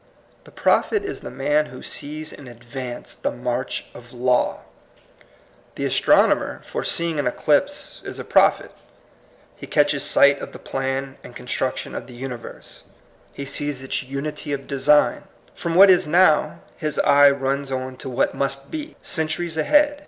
The prophet is the man who sees in advance the march of law. The astronomer foreseeing an eclipse is a prophet. He catches sight of the plan and construction of the universe. He sees its unity of design. From what is now, his eye runs on to what must be, centuries ahead.